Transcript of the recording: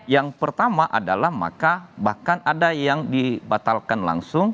yang pertama adalah maka bahkan ada yang dibatalkan langsung